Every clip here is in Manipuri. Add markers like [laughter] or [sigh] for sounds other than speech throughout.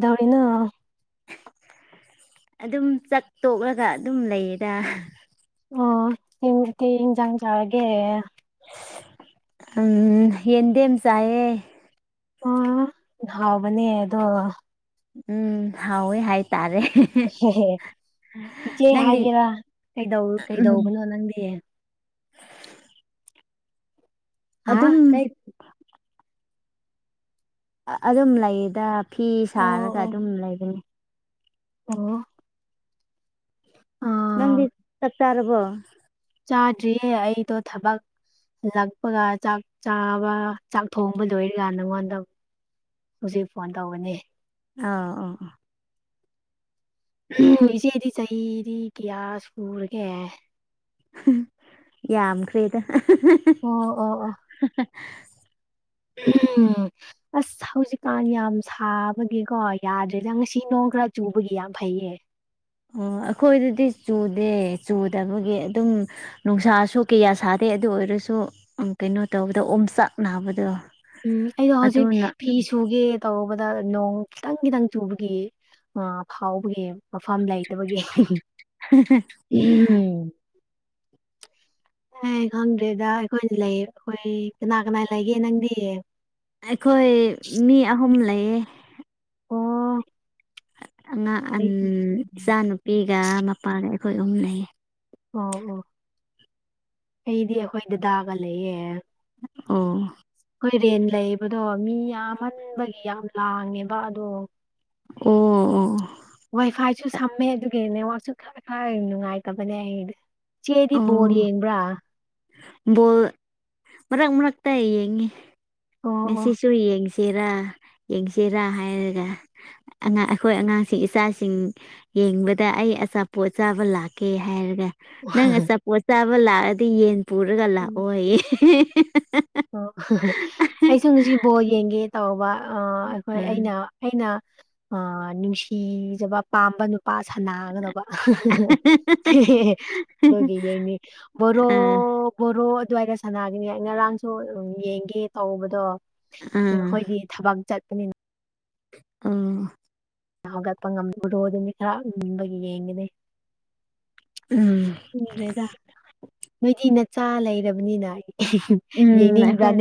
ꯀꯩꯗꯧꯔꯤꯅꯣ ꯑꯗꯨꯝ ꯆꯥꯛ ꯇꯣꯛꯂꯒ ꯑꯗꯨꯝ ꯂꯩꯌꯦꯗ ꯑꯣ ꯇ ꯏꯟꯖꯥꯡ ꯆꯥꯔꯒꯦ ꯎꯝ ꯌꯦꯗꯦꯦꯝ ꯆꯥꯏꯌꯦ ꯑ ꯍꯥꯎ ꯕꯅꯤ ꯑꯗꯣ ꯎꯝ ꯍꯥꯎꯌꯦ ꯍꯥꯏ ꯇꯔꯦ ꯏꯆꯦ ꯅꯪꯗꯤ ꯍꯥꯏꯒꯦꯔꯥ ꯀꯩ ꯎꯝ ꯀꯩꯗꯧꯕꯅꯣ ꯅꯪꯗꯤ ꯍꯥ ꯑꯗꯨꯝ ꯀꯩ ꯑꯗꯨꯝ ꯂꯩꯗ ꯐꯤ ꯑꯣ ꯁꯥꯔꯒ ꯑꯣ ꯑꯗꯨꯝ ꯂꯩꯕꯅꯤ ꯑꯣ ꯅꯪꯗꯤ ꯑꯥ ꯆꯥꯛ ꯆꯥꯔꯕꯣ ꯆꯥꯗ꯭ꯔꯤꯌꯦ ꯑꯩꯗꯣ ꯊꯕꯛ ꯂꯛꯄꯒ ꯆꯥꯛ ꯆꯥꯕ ꯆꯥꯛ ꯊꯣꯡꯕꯗꯣ ꯑꯣꯏꯔꯀꯥꯟ ꯅꯉꯣꯟꯗ ꯍꯧꯖꯤꯛ ꯐꯣꯟ ꯇꯧꯕꯅꯤ ꯑꯥ ꯑꯥ ꯏꯆꯦꯗꯤ ꯆꯍꯤꯗꯤ ꯀꯌꯥ ꯁꯨꯔꯒꯦ ꯌꯥꯃ ꯀ꯭ꯔꯔꯤꯗ ꯑꯣ ꯑꯣ ꯑꯣ ꯎꯝ ꯑꯁ ꯍꯧꯖꯤꯛꯀꯥꯟ ꯌꯥꯝ ꯁꯥꯕꯒꯤꯀꯣ ꯌꯥꯗ꯭ꯔꯦꯗ ꯉꯁꯤ ꯁꯤ ꯅꯣꯡ ꯈꯔ ꯆꯨꯕꯒꯤ ꯌꯥꯝ ꯐꯩꯌꯦ ꯑꯣ ꯑꯩꯈꯣꯏꯗꯗꯤ ꯆꯨꯗꯦ ꯆꯨꯗꯕꯒꯤ ꯑꯗꯨꯝ ꯅꯨꯡꯁꯥꯁꯨꯣꯛ ꯀꯌꯥ ꯁꯥꯗꯦ ꯑꯗꯨ ꯑꯣꯏꯔꯁꯨ ꯁꯨ ꯀꯩꯅꯣ ꯇꯧꯕꯗ ꯑꯣꯝꯆꯥꯛ ꯅꯥꯕꯗꯣ ꯎꯝ ꯑꯩꯗꯣ ꯍꯧꯖꯤꯛ ꯑꯗꯨꯅ ꯐꯤ ꯁꯨꯒꯦ ꯇꯧꯕꯗ ꯅꯣꯡ ꯈꯤꯇꯪ ꯈꯤꯇꯪ ꯆꯨꯕꯒꯤ ꯐꯥꯎꯕꯒꯤ ꯃꯐꯝ ꯂꯩꯇꯕꯒꯤ ꯎꯝ [inaudible] ꯑꯦ ꯈꯪꯗ꯭ꯔꯦꯗ ꯑꯩꯈꯣꯏꯅ ꯂꯩ ꯑꯩꯈꯣꯏ ꯀꯅꯥ ꯀꯅꯥ ꯂꯩꯒꯦ ꯅꯪꯗꯤ ꯑꯩꯈꯣꯏ ꯃꯤ ꯑꯍꯨꯝ ꯂꯩꯌꯦ ꯑꯣ ꯑꯉꯥꯡ ꯑꯟ ꯑꯩꯗꯤ ꯏꯆꯥꯅꯨꯄꯤꯒ ꯃꯄꯥꯒ ꯑꯩꯈꯣꯏ ꯑꯍꯨꯝ ꯂꯩꯌꯦ ꯑꯣ ꯑꯣ ꯑꯩꯗꯤ ꯑꯩꯈꯣꯏꯗꯗꯥꯒ ꯂꯩꯌꯦ ꯑꯣ ꯑꯩꯈꫭꯏꯗꯤ ꯂꯩꯕꯗꯣ ꯃꯤ ꯌꯥꯝꯍꯟꯕꯒꯤ ꯌꯥꯝ ꯂꯥꯡꯉꯦꯕ ꯑꯗꯣ ꯑꯣ ꯑꯣ ꯋꯥꯏ ꯐꯥꯏꯁꯨ ꯁꯝꯃꯦ ꯑꯗꯨꯒꯤ ꯅꯦꯠꯋꯛꯁꯨ ꯈꯔ ꯈꯔ ꯅꯨꯡꯉꯥꯏꯇꯕꯅꯦ ꯑꯩꯗꯤ ꯆꯦꯗꯤ ꯕꫭꯜ ꯑꯣ ꯌꯦꯕ꯭ꯔꯥ ꯕꯣꯜ ꯃꯔꯛ ꯃꯔꯛꯇ ꯌꯦꯡꯉꯤ ꯑꯣ ꯑꯣ ꯃꯦꯁꯤꯁꯨ ꯌꯦꯡꯁ ꯌꯦꯔꯥ ꯌꯦꯡꯁꯤꯔꯥ ꯍꯥꯏꯔꯒ ꯑꯉꯥ ꯑꯩꯈꯣꯏ ꯑꯉꯥꯡꯁꯤꯡ ꯏꯆꯥꯁꯤꯡ ꯌꯦꯡꯕꯗ ꯑꯩ ꯑꯆꯥꯄꯣꯠ ꯆꯥꯕ ꯂꯥꯛꯀꯦ ꯍꯥꯏꯔꯒ ꯅꯪ ꯑꯆꯥꯄꯣꯠ ꯆꯥꯕ ꯂꯥꯛꯑꯗꯤ ꯌꯦꯟ ꯄꯨꯔꯒ ꯎꯝ ꯂꯥꯛꯑꯣꯌ‌ꯦ ꯑꯩꯁꯨ ꯉꯁꯤꯐꯕꯣ ꯌꯦꯡꯒꯦ ꯇꯧꯕ ꯑꯩꯈꯣꯏ ꯑꯩꯅ ꯎꯝ ꯑꯩꯅ ꯑ ꯅꯨꯡꯁꯤꯖꯕ ꯄꯥꯝꯕ ꯅꯨꯄꯥ ꯁꯅꯥꯒꯗꯕ ꯑꯗꯨꯒꯤ ꯌꯦꯡꯅꯤ ꯕꫭꯔꯣ ꯑꯥ ꯕꫭꫪꫭ ꯑꯗꯨꯋꯥꯏꯗ ꯁꯅꯥꯒꯤꯅꯦ ꯉꯔꯥꯡꯁꯨ ꯌꯦꯡꯒꯦ ꯇꯧꯕꯗꯣ ꯑꯩꯈꯣꯏꯗꯤ ꯊꯕꯛ ꯆꯠ ꯀꯩꯅꯤꯅ ꯑꯝ ꯍꯧꯒꯠꯄ ꯉꯝ ꯎꯔꯣ ꯑꯗꯨꯅꯤ ꯈꯔ ꯉꯕꯒꯤ ꯌꯦꯡꯉꯤꯅꯦ ꯎꯝ ꯎꯗ꯭ꯔꯦꯗ ꯅꯣꯏꯗꯤ ꯅꯆꯥ ꯂꯩꯔꯕꯅꯤꯅ ꯑꯩ ꯎꯝ ꯑꯩꯈꯣꯏ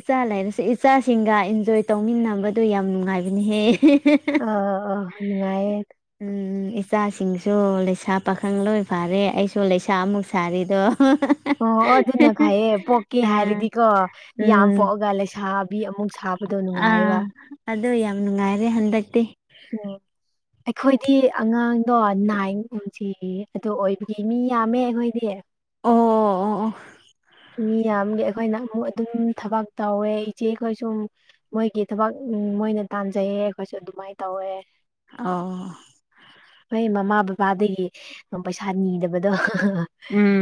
ꯏꯆꯥ ꯂꯩꯔꯁꯦ ꯏꯆꯥꯁꯤꯡꯒ ꯑꯦꯟꯖꯣꯏ ꯇꯧꯃꯤꯟꯅꯕꯗꫭ ꯌꯥꯝ ꯅꯨꯡꯉꯥꯏꯕꯅꯤꯍꯦ ꯑ ꯑ ꯅꯨꯡꯉꯥꯏꯌꯦ ꯎꯝ ꯏꯆꯥꯁꯤꯡꯁꯨ ꯂꯩꯁꯥ ꯄꯥꯈꯪ ꯂꯣꯏ ꯐꯥꯔꯦ ꯑꯩꯁꯨ ꯂꯩꯁꯥ ꯑꯃꯨꯛ ꯁꯥꯔꯤꯗꯣ ꯑꯣ ꯑꯗꯨꯅ ꯐꯌꯦ ꯄꯣꯛꯀꯦ ꯑꯥ ꯍꯥꯏꯔꯗꯤꯀꯣ ꯌꯥꯝ ꯎꯝ ꯄꯣꯛꯑꯒ ꯂꯩꯁꯥꯕꯤ ꯑꯃꯨꯛ ꯁꯥ ꯍꯥꯞꯄꯗꯣ ꯅꯨꯡꯉꯥꯏꯕ ꯑꯗꯣ ꯌꯥꯝ ꯅꯨꯡꯉꯥꯏꯔꯦ ꯍꯟꯗꯛꯇꯤ ꯑꯣ ꯑꯩꯈꯣꯏꯗꯤ ꯑꯉꯥꯡꯗꯣ ꯅꯥꯏꯉꫭ ꯍꯧꯖꯤꯛ ꯑꯗꯨ ꯑꯣꯏꯕꯒꯤ ꯃꯤ ꯌꯥꯝꯃꯦ ꯑꯩꯈꯣꯏꯗꯤ ꯑꯣ ꯑꯣ ꯃꯤꯌꯥꯝꯒꯤ ꯑꯩꯈꯣꯏꯅ ꯑꯃꯨꯛ ꯑꯗꯨꯝ ꯊꯕꯛ ꯇꯧꯋꯦ ꯏꯆꯦ ꯈꯣꯏ ꯁꯨ ꯃꯣꯏꯒꯤ ꯊꯕꯛ ꯃꯣꯏꯅ ꯇꯥꯟꯖꯩꯌꯦ ꯑꯩꯈꯣꯏꯁꯨ ꯑꯗꯨꯃꯥꯏ ꯇꯧꯋꯦ ꯑꯣ ꯕꯕꯥꯗꯤ ꯄꯩꯁꯥ ꯅꯤꯗꯕꯗꯣ ꯎꯝ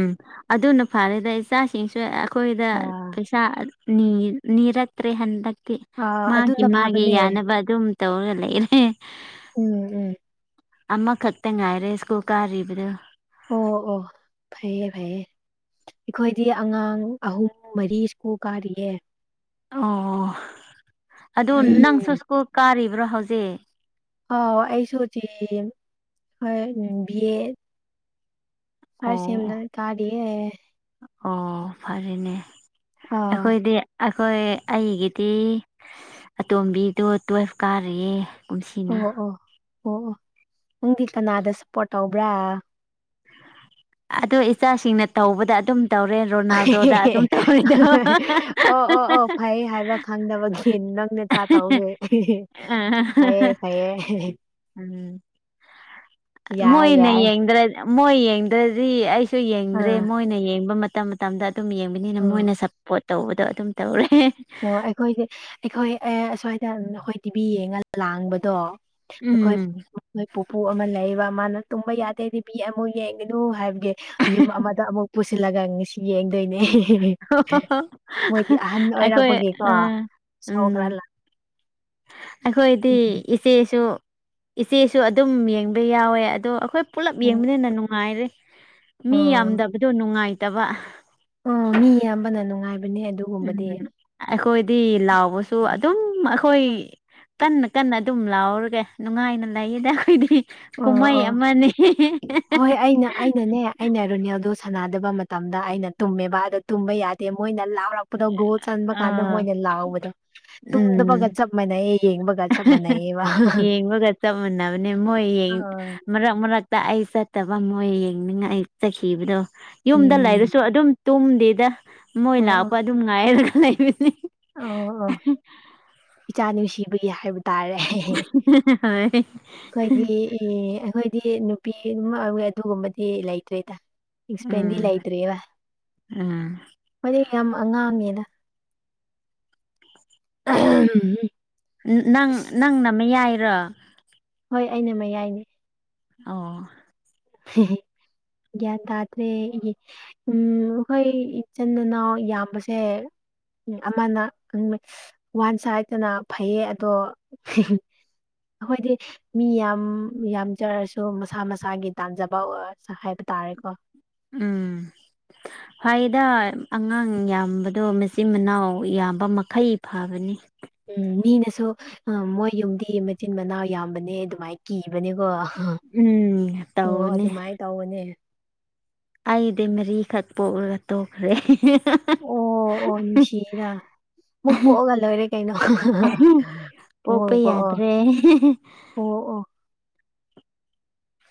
ꯑꯗꯨꯅ ꯐꯔꯦꯗ ꯏꯆꯥꯁꯤꯡꯁꯨ ꯑꯩꯈꯣꯏꯗ ꯑꯥ ꯄꯩꯁꯥ ꯅꯤ ꯅꯤꯔꯛꯇ꯭ꯔꯦ ꯍꯟꯗꯛꯇꯤ ꯑꯥ ꯃꯥꯒꯤ ꯑꯗꯨꯅ ꯃꯥꯒꯤ ꯐꯕꯅꯦ ꯌꯥꯅꯕ ꯑꯗꯨꯝ ꯇꯧꯔ ꯂꯩꫪ‌ꯦ ꯎꯝ ꯎꯝ ꯑꯃꯈꯛꯇ ꯉꯥꯏꯔꯦ ꯁ꯭ꯀꯨꯜ ꯀꯥꯔꯤꯕꯗꯨ ꯑꯣ ꯑꯣ ꯐꯩꯌꯦ ꯐꯩꯌꯦ ꯑꯩꯈꯣꯏꯗꯤ ꯑꯉꯥꯡ ꯑꯍꯨꯝ ꯃꯔꯤ ꯁ꯭ꯀꯨꯜ ꯀꯥꯔꯤꯌꯦ ꯑꯣ ꯑꯗꯨ ꯅꯪꯁꯨ ꯎꯝ ꯁ꯭ꯀꯨꯜ ꯀꯥꯔꯤꯕ꯭ꯔꯣ ꯍꯧꯖꯤꯛ ꯍꫭꯏ ꯍꫭꯏ ꯑꯩꯁꯨ ꯍꯧꯖꯤꯛ ꯍꯣꯏ ꯅꯕꯤꯑꯦ ꯑꯁꯝ ꯑꯣ ꯂꯩ ꯀꯗꯤꯦ ꯑꯣ ꯐꯔꯦꯅꯦ ꯑꯥ ꯑꯩꯈꯣꯏꯗꯤ ꯑꯩꯈꯣꯏ ꯑꯩꯒꯤꯗꯤ ꯑꯇꯣꯝꯕꯤꯗꯣ ꯇꯨꯋꯦꯐ ꯀꯥꯔꯤꯌꯦ ꯀꯨꯝꯁꯤꯅ ꯑꯣ ꯑꯣ ꯑꯣ ꯅꯪꯗꯤ ꯀꯅꯥꯗ ꯁꯞꯄꯣꯔꯠ ꯇꯧꯕ꯭ꯔꯥ ꯑꯗꯨ ꯏꯆꯥꯁꯤꯡꯅ ꯇꯧꯕꯗ ꯑꯗꯨꯝ ꯇꯧꯔꯦ ꯔꯣꯅꯥꯜꯗꯣꯗ ꯑꯗꯨꯝ ꯇꯧꯔꯤꯗꯣ ꯑꯣ ꯑꯣ ꯑꯣ ꯐꯩ ꯍꯥꯏꯕ ꯈꯪꯗꯕꯒꯤꯅꯤ ꯂꯪꯅꯦ ꯆꯥꯠ ꯍꯧꯒꯦ ꯐꯌꯦ ꯐꯌꯦ ꯎꯝ ꯌꯥꯏ ꯌꯥꯏ ꯃꯣꯏꯅꯡꯗ꯭ꯔ ꯃꯣꯏ ꯌꯦꯡꯗ꯭ꯔꯗꯤ ꯑꯩꯁ ꯁꯨ ꯌꯦꯡꯗ꯭ꯔꯦ ꯑꯥ ꯃꯣꯏꯅ ꯌꯦꯡꯕ ꯃꯇꯝ ꯃꯇꯝꯗ ꯑꯗꯨꯝ ꯌꯦꯡꯕꯅꯤꯅ ꯑꯣ ꯃꯣꯏꯅ ꯁꯞꯄꯣꯠ ꯇꯧꯕꯗꯣ ꯑꯗꯨꯝ ꯇꯧꯔꯦ ꯑꯣ ꯑꯩꯈꯣꯏꯁꯦ ꯑꯩꯈꯣꯏ ꯑꯦ ꯑꯁ꯭ꯋꯥꯏꯗ ꯅꯥꯈꯣꯏ ꯇꯤꯚꯤ ꯌꯦꯡꯉ ꯂꯥꯡꯕꯗꯣ ꯎꯝ ꯑꯩꯈꯣꯏ ꯄꯨꯄꯨ ꯑꯃ ꯂꯩꯌꯦꯕ ꯃꯥꯅ ꯇꯨꯝꯕ ꯌꯥꯗꯦ ꯇꯤꯕꯤ ꯑꯃꯨꯛ ꯌꯦꯡꯒꯅꯨ ꯍꯥꯏꯕꯒꯤ ꯌꯨꯝ ꯑꯃꯗ ꯑꯃꯨꯛ ꯁꯤꯜꯂꯒꯪ ꯁꯤ ꯌꯦꯡꯗꯣꯏꯅꯦ ꯃꯣꯏꯗꯤ ꯑꯍꯟ ꯑꯣꯏꯔꯄ ꯑꯩꯈꯣꯏ ꯀꯣ ꯑ ꯎꯝ ꯁꯈ꯭ꯔꯂ ꯑꯩꯈꯣꯏꯗꯤ ꯏꯆꯦꯁꯨ ꯏꯆꯦꯁꯨ ꯑꯗꯨꯝ ꯌꯦꯡꯕ ꯌꯥꯎꯋꯦ ꯑꯗꯣ ꯑꯩꯈꯣꯏ ꯄꯨꯂꯞ ꯎꯝ ꯌꯦꯡꯕꯅꯤꯅ ꯅꯨꯡꯉꯥꯏꯔꯦ ꯃꯤ ꯎꯝ ꯌꯥꯝꯗꯕꯗꯣ ꯅꯨꯡꯉꯥꯏꯇꯕ ꯅꯦ ꯎꯝ ꯑꯗꯨꯒꯨꯝꯕꯗꯤ ꯑꯩꯈꯣꯏꯗꯤ ꯂꯥꯎꯕꯁꯨ ꯑꯗꯨꯝ ꯑꯩꯈꯣꯏ ꯀꯟꯅ ꯀꯟꯅ ꯑꯗꯨꯝ ꯂꯥꯎꯔꯒꯦ ꯅꯨꯡꯉꯥꯏꯅ ꯂꯩꯌꯦꯗ ꯑꯩꯈꯣꯏꯗꯤ ꯑꯣ ꯀꯨꯝꯍꯩ ꯑꯣ ꯑꯃꯅꯤ ꯍꯣꯏ ꯑꯩꯅ ꯑꯩꯅꯅꯦ ꯑꯩꯅ ꯔꯣꯅꯦꯜꯗꯣ ꯁꯥꯟꯅꯗꯕ ꯃꯇꯝꯗ ꯑꯩꯅ ꯇꯨꯝꯃꯦꯕ ꯑꯗꯣ ꯇꯨꯝꯕ ꯌꯥꯗꯦ ꯃꯣꯏꯅ ꯂꯥꯡ ꯍꯧꯔꯛꯄꯗꯣ ꯒꯣꯜ ꯆꯟꯕ ꯀꯥꯟꯗ ꯑꯥ ꯃꯣꯏꯅ ꯂꯥꯎꯕꯗꯣ ꯇꯨꯝꯗꯕꯒ ꯎꯝ ꯆꯞ ꯃꯥꯟꯅꯩꯌꯦ ꯌꯦꯡꯕꯒ ꯆꯞ ꯃꯥꯟꯅꯩꯌꯦꯕ ꯌꯦꯡꯕꯒ ꯆꯞ ꯃꯅꯕꯅꯦ ꯃꯣꯏ ꯑꯥ ꯃꯔꯛ ꯃꯔꯛꯇ ꯑꯩ ꯆꯠꯇꯕ ꯃꯣꯏ ꯌꯦꯡꯅꯤꯡꯉꯥꯏ ꯆꯠꯈꯤꯕꯗꯣ ꯌꯨꯝꯗ ꯎꯝ ꯂꯩꯔꯁꯨ ꯑꯗꯨꯝ ꯇꯨꯝꯗꯦꯗ ꯃꯣꯏ ꯂꯥꯛꯄ ꯑꯗꯨꯝ ꯉꯥꯏꯔꯒ ꯂꯩꯕꯅꯤ ꯑ ꯑꯣ ꯏꯆꯥ ꯅꯨꯡꯁꯤꯕꯒꯤ ꯍꯥꯏꯕꯟ ꯇꯥꯔꯦ ꯍꯣꯏ ꯑꯩꯈꯣꯏꯗꯤ ꯑꯩꯈꯣꯏ ꯗꯤ ꯅꯨꯄꯤ ꯑꯗꯨꯒꯨꯝꯕꯗꯤ ꯂꯩꯇ꯭ꯔꯦꯗ ꯑꯦꯛꯁꯄꯦꯟꯗꯤ ꯎꯝ ꯂꯩꯇ꯭ꯦꯕ ꯎꯝ ꯃꯗꯤ ꯌꯥꯝ ꯑꯉꯥꯡꯝꯃꯦꯅ [unintelligible] ꯅꯪ ꯅꯪ ꯅ ꯑꯃ ꯌꯥꯏꯔꯣ ꯍꯣꯏ ꯑꯩꯅ ꯃꯌꯥꯏꯅꯦ ꯑꯣ ꯍꯦ ꯍꯦ ꯒ꯭ꯌꯥꯟ ꯇꯥꯗ꯭ꯔꯦ ꯎꯝ ꯈꯣꯏ ꯏꯆꯟ ꯃꯅꯥꯎ ꯌꯥꯝꯕꯁꯦ ꯎꯝ ꯑꯃꯅ ꯎ ꯋꯥꯟ ꯁꯍꯥꯏꯗꯅ ꯐꯩꯌꯦ ꯑꯗꯣ ꯑꯩꯈꯣꯏꯗꯤ ꯃꯤ ꯌꯥꯝ ꯌꯥꯝꯓꯔꯁꯨ ꯃꯁꯥ ꯃꯁꯥꯒꯤ ꯇꯥꯟꯖꯕ ꯍꯥꯏꯕ ꯇꯥꯔꯦꯀꯣ ꯎꯝ ꯐꯏꯗ ꯑꯉꯥꯡ ꯌꯥꯝꯕꯗꯣ ꯃꯆꯤꯟ ꯃꯅꯥꯎ ꯌꯥꯝꯕ ꯃꯈꯩ ꯐꯕꯅꯤ ꯎꯝ ꯃꯤꯅꯁꯨ ꯎ ꯃꯣꯏ ꯌꯨꯝꯗꯤ ꯃꯆꯤꯟ ꯃꯅꯥꯎ ꯌꯥꯝꯕꯅꯦ ꯑꯗꯨꯃꯥꯏ ꯀꯤꯕꯅꯦꯀꯣ ꯎꯝ ꯑꯣ ꯇꯧꯕꯅꯦ ꯑꯗꯨꯃꯥꯏ ꯇꯧꯕꯅꯦ ꯑꯩꯗꯤ ꯃꯔꯤꯈꯛ ꯄꯣꯛꯔꯒ ꯇꯣꯛꯈ꯭ꯔꯦ ꯑꯣ ꯑꯣ ꯅꯨꯡꯁꯤꯗꯥ ꯑꯃꯨꯛ ꯄꯣꯛꯑꯒ ꯂꯣꯏꯔꯦ ꯀꯩꯅꯣ ꯄꯣꯛꯄ ꯑꯃꯨꯛ ꯄꯣꯛꯑꯣ ꯌꯥꯗ꯭ꯔꯦ ꯑꯣ ꯑꯣ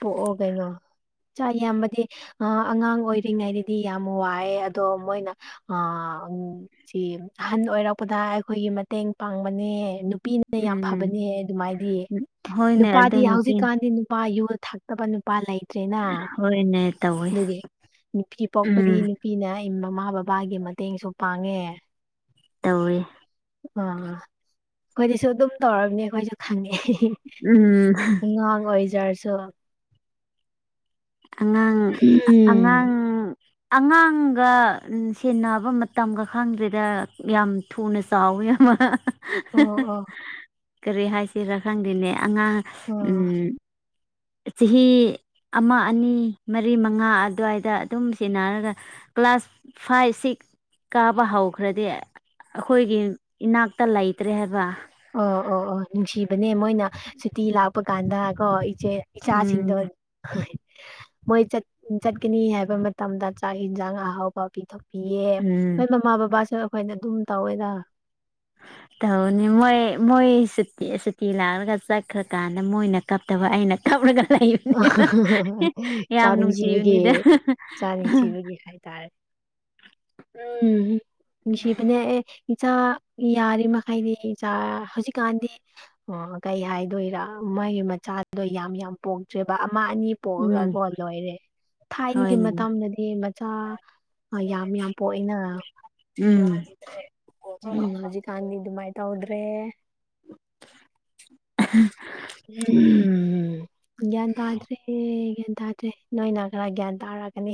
ꯄꯣꯛ ꯑꯣꯀꯩꯅꯣ ꯆ ꯌꯥꯝꯕꯗꯤ ꯑ ꯑꯉꯥꯡ ꯑꯣꯏꯔꯤꯉꯩꯗꯗꯤ ꯌꯥꯝ ꯋꯥꯏꯑꯦ ꯑꯗꯣ ꯃꯣꯏꯅ ꯑ ꯁꯤ ꯑꯍꯟ ꯑꯣꯏꯔꯛꯄꯗ ꯑꯩꯈꯣꯏꯒꯤ ꯃꯇꯦꯡ ꯄꯥꯡꯕꯅꯦ ꯅꯨꯄꯤꯅ ꯌꯥꯝ ꯎꯝ ꯐꯕꯅꯦ ꯑꯗꯨꯃꯥꯏꯗꯤ ꯍꯣꯏꯅꯦ ꯑꯗꯨ ꯅꯨꯄꯥꯗꯤ ꯅꯨꯄꯤ ꯍꯧꯖꯤꯛꯀꯥꯟꯗꯤ ꯅꯨꯄꯥ ꯌꯣ ꯊꯛꯇꯕ ꯅꯨꯄꯥ ꯂꯩ ꯇ꯭ꯔꯦꯅ ꯍꯣꯏꯅꯦ ꯇꯧꯋꯦ ꯑꯗꯨꯒꯤ ꯅꯨꯄꯤ ꯄꯣꯛꯄꯗꯤ ꯎꯝ ꯅꯨꯄꯤꯅ ꯃꯃꯥ ꯕꯕꯥꯒꯤ ꯃꯇꯦꯡꯁꯨ ꯄꯥꯡꯉꯦ ꯇꯧꯏꯦ ꯑ ꯑꯩꯈꯣꯏꯗꯤꯁꯨ ꯑꯗꯨꯝ ꯇꯧꯝꯅꯦ ꯑꯩꯈꯣꯏꯁꯨ ꯈꯪꯉꯦ ꯎꯝ ꯉꯥꯡ ꯑꯣꯏ ꯑꯣꯏꯖꯔꯁꯨ ꯑꯉꯥꯡ ꯎꯝ ꯑꯉꯥꯡ ꯑꯉꯥꯡꯒ ꯁꯦꯟꯅꯕ ꯃꯇꯝꯒ ꯈꯪꯗ꯭ꯦꯗ ꯌꯥꯝ ꯊꯨꯅ ꯆꯥꯎꯋꯤ ꯃ ꯌꯥꯝꯃ ꯑꯣ ꯑꯣ ꯀꯔꯤ ꯍꯥꯏꯁꯤꯔꯥ ꯈꯪꯗꯦꯅꯦ ꯑꯉꯥꯡ ꯑꯣ ꯎꯝ ꯆꯍꯤ ꯑꯃ ꯑꯅꯤ ꯃꯔꯤ ꯃꯉꯥ ꯑꯗꯨꯋꯥꯏꯗ ꯑꯗꯨꯝ ꯁꯤꯦꯟꯅꯔꯒ ꯀ꯭ꯂꯥꯁ ꯐꯥꯏꯚ ꯁꯤꯛꯁ ꯀꯥꯕ ꯍꯧꯈ꯭ꯔꯗꯤ ꯑꯩꯈꯣꯏꯒꯤ ꯏꯅꯥꯛꯇ ꯂꯩꯇ꯭ꯔꯦ ꯍꯥꯏꯕ ꯑꯣ ꯑꯣ ꯑꯣ ꯅꯨꯡꯁꯤꯕꯅꯦ ꯃꯣꯏꯅ ꯁꯨꯇꯤ ꯂꯥꯛꯄ ꯀꯥꯟꯗ ꯀꯣ ꯏꯆꯦ ꯎꯝ ꯏꯆꯥꯁꯤꯡꯗ ꯃꯣꯏ ꯆꯠꯀꯅꯤ ꯍꯥꯏꯕ ꯃꯇꯝꯗ ꯆꯥꯛ ꯏꯟꯁꯥꯡ ꯑꯍꯥꯎꯕ ꯄꯤꯊ ꯄꯤꯌꯦ ꯎꯝ ꯑꯩꯣꯏ ꯃꯃꯥ ꯕꯕꯥꯁꯨ ꯑꯩꯈꯣꯏꯅ ꯑꯗꯨꯝ ꯇꯧꯋꯦꯗ [unintelligible] ꯇꯧꯅꯤ ꯃꯣꯏ ꯃꯣꯏ ꯁꯨꯇꯤ ꯂꯥꯛꯂꯒ ꯆꯠꯈ꯭ꯔꯀꯥꯟꯗ ꯃꯣꯏꯅ ꯀꯞꯇꯕ ꯑꯩꯅ ꯀꯞꯂꯒ ꯂꯩꯕꯅꯤ ꯏꯆꯥ ꯌꯥꯝ ꯅꯨꯡꯁꯤꯕꯒꯤ ꯅꯨꯡꯁꯤꯕꯅꯤꯗ ꯏꯆꯥ ꯅꯨꯡꯁꯤꯕꯒꯤ ꯍꯥꯏꯇꯥꯔꯦ [unintelligible] ꯎꯝ ꯁꯤ ꯃꯅꯦ ꯆꯥ ꯌꯥꯔꯤꯃꯩꯗꯤ ꯆꯥ ꯍꯧꯖꯤꯛꯀꯥꯟꯗꯤ ꯀꯩ ꯍꯥꯏꯗꯣꯏꯔꯥ ꯃꯥꯒꯤ ꯃꯆꯥꯗꯨꯗꯣ ꯌꯥꯝ ꯌꯥꯝ ꯄꯣꯡ ꯑꯃ ꯑꯅꯤ ꯄꯣꯛꯑꯒ ꯎꯝ ꯀꯣ ꯂꯣꯏꯔꯦ ꯊꯥꯏꯅꯒꯤ ꯍꯣꯏꯅꯦ ꯃꯇꯝꯗꯗꯤ ꯃꯆꯥ ꯌꯥꯝ ꯌꯥꯝ ꯄꯣꯛꯏꯅ ꯎꯝ ꯎꯝ ꯍꯧꯖꯤ ꯀꯥꯟꯅꯤ ꯑꯗꯨ ꯃꯥꯏꯇ ꯍꯗ꯭ꯔꯦ [unintelligible] ꯎꯝ ꯌꯥꯗꯥ꯭ꯔꯦ ꯒ꯭ꯌꯥꯟ ꯇꯥꯗ꯭ꯔꯦ ꯅꯣꯏꯅ ꯈꯔ ꯒ꯭ꯌꯥꯟ ꯇꯥꯔꯛꯒꯅꯤ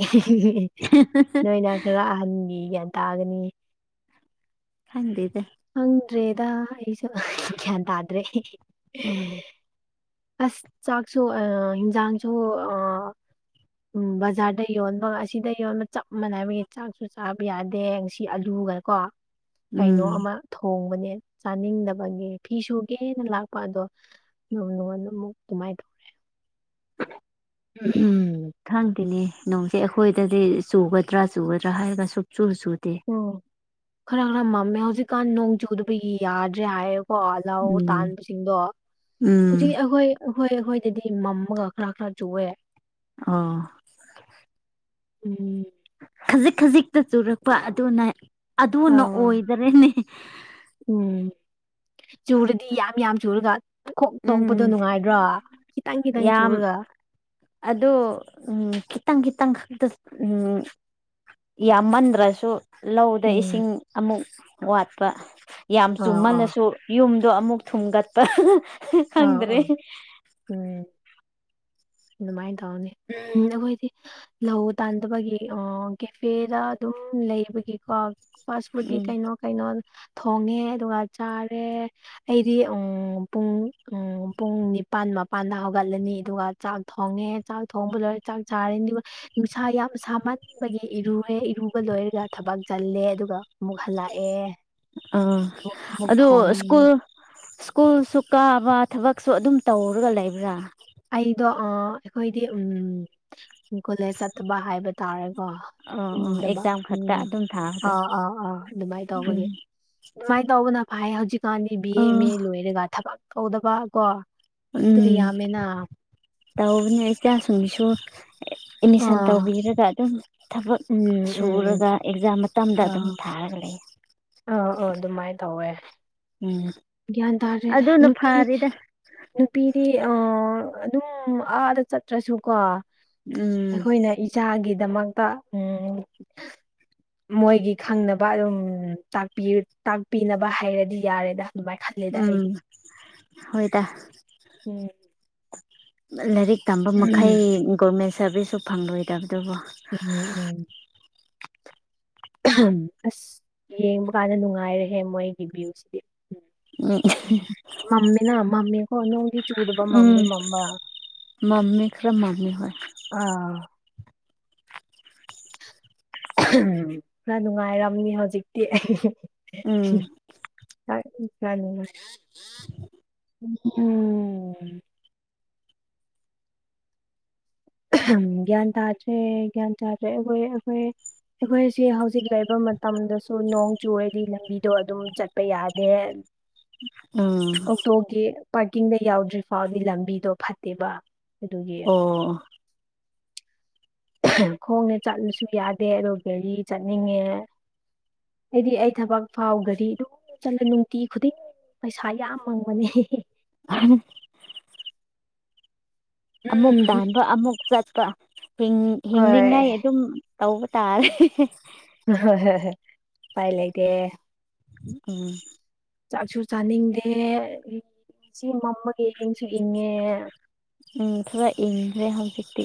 ꯅꯣꯏꯅ ꯈꯔ ꯑꯍꯟꯉ ꯌꯦ ꯇꯥꯒꯅꯤ ꯍꯪꯗꯗ ꯍꯪ꯭ꯔꯔꯤꯗꯁꯨꯗꯗ꯭ꯔꯦ ꯑꯁ ꯆꯥꯥꯛꯁꯨ ꯑꯖꯥꯁꯨꯣ ꯑ ꯎꯝ ꯕꯖꯥꯔꯗ ꯌꯣꯟꯕꯁꯤꯗ ꯌꯣꯟꯕ ꯆꯞ ꯃꯥꯟꯅꯩꯕꯒꯤ ꯆꯥꯛꯁꯨ ꯆꯥꯕ ꯌꯥꯗꯦ ꯉꯁꯤ ꯑꯂꯨ ꯑꯗꯨꯒ ꯀꯣ ꯀꯩꯅꯣ ꯎꯝ ꯑꯃ ꯍꯣꯡꯕꯅꯦ ꯆꯥꯅꯤꯡꯗꯕꯒꯤ ꯐꯤ ꯁꯨꯒꯦꯅ ꯂꯥꯛꯄ ꯑꯗꯣ ꯅꯅ ꯇꯃꯥꯏ ꯇꯧꯦ [unintelligible] ꯈꯪꯗꯦꯅꯦ ꯅꯣꯡꯁꯦ ꯑꯩꯈꯣꯏꯗꯗꯤ ꯆꯨꯒꯗ꯭ꯔꯥ ꯆꯨꯒꯗ꯭ꯔꯥ ꯍꯥꯏꯔꯒ ꯁ ꯑꯣ ꯈꯔ ꯈꯔ ꯃꯝꯃꯦ ꯍꯧꯖꯤꯛꯀꯥꯟ ꯅꯣꯡ ꯆꯨꯗꯕ ꯌꯥꯗ꯭ꯔꯦ ꯍꯥꯏ ꯀꯣ ꯂꯥꯎ ꯎꯝ ꯇꯥꯟꯕꯁꯤꯡꯗꯣ ꯎꯝ ꯍꯧꯖꯤꯛ ꯑꯩꯈꯣꯏ ꯍꯣꯏ ꯍꯣꯏ ꯑꯗꯨꯗꯤ ꯃꯝꯃꯒ ꯈꯔ ꯈꯔ ꯆꯨꯑꯦ ꯑ ꯎꯝ ꯈꯖꯤꯛ ꯈꯖꯤꯛꯇ ꯆꯨꯔꯛꯄ ꯑꯗꯨꯅ ꯑ ꯑꯗꯨꯅ ꯑꯣꯏꯗꯔꯅꯦ ꯎꯝ ꯆꯨꯔꯗꯤ ꯌꯥꯝ ꯌꯥꯝ ꯆꯨꯔꯒ ꯀꯣꯛ ꯎꯝ ꯅꯣꯛꯄꯗꯣ ꯅꯨꯡꯉꯥꯏꯗ꯭ꯔꯣ ꯈꯤꯇꯪ ꯈꯤꯇꯪ ꯆꯨꯔꯒ ꯑꯗꯣ ꯎꯝ ꯀꯈꯤꯠꯇꯪ ꯀꯈꯤꯠꯇꯪ ꯈꯤꯇꯪ ꯈꯛꯇ ꯎꯝ ꯌꯥꯝꯃꯟꯗ꯭ꯔꯁꯨ ꯂꯧꯗ ꯎꯝ ꯏꯁꯤꯡ ꯑꯃꯨꯛ ꯋꯥꯠꯄ ꯌꯥꯝ ꯑꯥ ꯑꯥ ꯆꯨꯝꯃꯜꯂꯁꯨ ꯌꯨꯝ ꯑꯗꯨꯣ ꯑꯃꯨꯛ ꯊꯨꯝꯒꯠꯄ ꯑꯥ ꯈꯪꯗ꯭ꯔꯦ ꯑꯥ ꯎꯝ ꯑꯗꯨꯃꯥꯏꯅ ꯇꯧꯅꯤ ꯎꯝ ꯑꯩꯈꯣꯏꯗꯤ ꯂꯧ ꯇꯥꯟꯗꯕꯒꯤ ꯀꯦꯐꯦꯗ ꯑꯗꯨꯝ ꯂꯩꯕꯒꯤꯀꯣ ꯐꯥꯁ ꯐꯨꯗꯀꯤ ꯎꯝ ꯀꯩꯅꯣ ꯀꯩꯅꯣ ꯊꯣꯡꯉꯦ ꯑꯗꯨꯒ ꯆꯥꯔꯦ ꯑꯩꯗꯤ ꯎ ꯄꯨꯡ ꯎ ꯄꯨꯡ ꯅꯤꯄꯥꯜ ꯃꯄꯥꯟꯗ ꯍꯧꯒꯠꯂꯅꯤ ꯑꯗꯨꯒ ꯆꯥꯛ ꯊꯣꯡꯉꯦ ꯆꯥꯛ ꯊꯣꯡꯕ ꯂꯣꯏꯔꯦ ꯆꯥꯛ ꯆꯥꯔꯅꯤ ꯑꯗꯨꯒ ꯅꯨꯡꯁꯥ ꯌꯥꯝ ꯁꯥꯥ ꯃꯟꯄꯒꯤ ꯏꯔꯨꯨꯔꯦ ꯑꯨꯝꯕ ꯂꯣꯏꯔꯒ ꯊꯕꯛ ꯆꯜꯂꯦ ꯑꯗꯨꯒ ꯑꯃꯨꯛ ꯍꯜꯂꯛꯑꯦ ꯑꯥ ꯑꯃꯨꯛ ꯑꯃꯨꯛ ꯑꯗꯨ ꯊꯣꯡꯉꯦꯅꯦ ꯁ꯭ꯀꯨꯜ ꯁ꯭ꯀꯨꯜꯁꯨ ꯀꯥꯕ ꯊꯕꯛꯁꯨ ꯑꯗꯨꯝ ꯇꯧꯔꯒ ꯂꯩꯕ꯭ꯔꯥ ꯑꯩꯗꯣ ꯑ ꯑꯩꯈꯣꯏꯗꯤ ꯎꯝ ꯀꯣꯂꯦꯖ ꯆꯠꯇꯕ ꯍꯥꯏꯕ ꯇꯥꯔꯒ ꯑꯣ ꯑꯣ ꯎ ꯗꯃ ꯑꯦꯛꯖꯥꯝ ꯈꯛꯇ ꯎꯝ ꯑꯗꯨꯝ ꯊꯥꯕꯗꯣ ꯑꯥ ꯑꯥ ꯑꯥ ꯑꯗꯨꯃꯥꯏꯅ ꯎꯝ ꯇꯧꯕꯒꯤ ꯑꯗꯨꯃꯥꯏꯅ ꯇꯧꯕꯅ ꯐꯥꯏ ꯍꯧꯖꯤꯛꯀꯥꯟꯗꯤ ꯕꯤ ꯑꯦ ꯑꯣ ꯑꯦꯝ ꯑꯦ ꯂꯣꯏꯔꯒ ꯊꯕꯛ ꯇꯧꯗꯕ ꯀꯣ ꯑꯗꯨ ꯎꯝ ꯌꯥꯝꯃꯦꯅ ꯇꯧꯕꯅꯦ ꯏ ꯆ ꯁꯨꯡꯕꯤꯁꯨ ꯑꯦꯠꯃꯤꯁꯟ ꯑꯥ ꯇꯧꯕꯤꯔꯒ ꯑꯗꯨꯝ ꯊꯕꯛ ꯎꯝ ꯎꯝ ꯎꯝ ꯁꯨꯔꯒ ꯑꯦꯛꯖꯥꯝ ꯃꯇꯝꯝꯗ ꯑꯗꯨꯝ ꯑꯥ ꯊꯥꯔ ꯂꯩ ꯑꯥ ꯑ ꯑꯗꯨꯃꯥꯏꯅ ꯇꯧꯋꯦ ꯎꯝ ꯒ꯭ꯌꯥꯟ ꯇꯥꯔꯦ ꯑꯗꯨꯅ ꯅꯨꯄꯤ ꯐꯔꯦꯗ ꯅꯨꯄꯤꯗꯤ ꯑ ꯑꯗꯨꯝ ꯑꯥꯗ ꯆꯠꯇ꯭ꯔꯁꯨꯀꯣ ꯎꯝ ꯑꯩꯈꯣꯏꯅ ꯏꯆꯥꯒꯤ ꯒꯤꯗꯃꯛꯇ ꯎꯝ ꯃꯣꯏꯒꯤ ꯈꯪꯅꯕ ꯑꯗꯨꯝ ꯇꯥꯛꯄꯤꯅꯕ ꯍꯥꯏꯔꯗꯤ ꯌꯥꯔꯦꯗ ꯑꯗꯨꯃꯥꯏꯅ ꯈꯜꯂꯦꯗ ꯎꯝ ꯑꯩꯗꯤ ꯎꯝ ꯍꯣꯏꯗꯔꯤ ꯇꯝꯕ ꯎꯝ ꯃꯈꯩ ꯒꯣꯔꯃꯦꯟ ꯁꯔꯚꯤꯁꯁꯁꯨ ꯐꯪꯂꯣꯏꯗꯕꯅꯤ ꯎꯝ ꯎꯝ ꯑꯁ ꯌꯦꯡꯕ ꯀꯥꯟꯗ ꯅꯨꯡꯉꯥꯏꯔꯦꯍꯦ ꯃꯣꯏꯒꯤ ꯚꯤꯌꯨꯁꯤꯗꯤ ꯎꯝ ꯃꯃꯤꯅ ꯃꯃꯃꯤ ꯍꯅ ꯎꯒꯤ ꯆꯨꯗꯕ ꯎꯝ ꯃꯝꯗꯤ ꯃꯃꯥ ꯃꯝꯃꯤ ꯈꯔ ꯃꯝꯃꯤ ꯍꯣꯏ ꯑꯥ ꯄꯨꯔꯥ ꯅꯨꯡꯉꯥꯏꯔꯝꯅꯤ ꯍꯧꯖꯤꯛꯇꯤ ꯎꯝ ꯑꯩ ꯆꯂ [unintelligible] ꯎꯝ ꯭ꯌꯥꯟ ꯇꯥ꯭ꯔꯦ ꯭ꯌꯥꯟ ꯇꯥ꯭ꯔꯦ ꯑꯩꯈꯣꯏ ꯑꯩꯈꯣꯏ ꯑꯩꯈꯣꯏꯁꯤꯦ ꯍꯧꯖꯤꯛ ꯂꯩꯕ ꯃꯇꯝꯗꯁꯨ ꯅꯣꯡ ꯆꯨꯨꯔꯗꯤ ꯂꯝꯕꯤꯗꯣ ꯑꯗꯨꯝ ꯆꯠꯄ ꯌꯥꯗꯦ ꯎꯝ ꯑꯣꯛꯇꯣꯒꯤ ꯄꯥꯔꯀꯤꯡꯗ ꯌꯥꯎꯗ꯭ꯔꯤ ꯐꯥꯎꯗꯤ ꯂꯝꯕꯤꯗꯣ ꯐꯠꯇꯦꯕ ꯑꯗꯨꯒꯤ ꯑꯣ ꯈꯣꯡꯅꯦ ꯆꯠꯂꯨꯁꯨ ꯌꯥꯗꯦ ꯑꯗꯣ ꯒꯥꯦꯔꯤ ꯆꯠꯅꯤꯡꯉꯦ ꯑꯩꯗꯤ ꯑꯩ ꯊꯕꯛ ꯐꯥꯎꯒꯗꯤ ꯑꯗꯨꯝ ꯆꯠꯂ ꯅꯨꯡꯇꯤ ꯈꯨꯗꯤꯡ ꯄꯩꯁꯥ ꯌꯥꯝ ꯃꯪꯕꯅꯦ ꯑ ꯑꯃꯨꯛ ꯎꯝ ꯇꯥꯟꯕ ꯑꯃꯨꯛ ꯆꯠꯄ ꯍꯣꯏ ꯍꯤꯡꯅꯤꯡꯉꯥꯏ ꯑꯗꯨꯝ ꯇꯧꯕ ꯇꯥꯔꯦ ꯍ ꯍ ꯄꯥꯏ ꯂꯩꯗꯦ ꯎꯝ ꯆꯥꯛꯁꯨ ꯆꯥꯅꯤꯡꯗꯦ ꯁꯤ ꯃꯝꯃꯒ ꯌꯦꯡꯁꯨ ꯏꯪꯉꯦ ꯎꯝ ꯊꯔꯥꯏ ꯏ ꯔꯦꯍꯝꯖꯤꯤꯛꯇꯤ